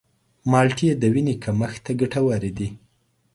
مالټې د وینې کمښت ته ګټورې دي.